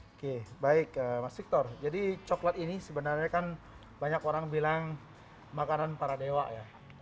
oke baik mas victor jadi coklat ini sebenarnya kan banyak orang bilang makanan para dewa ya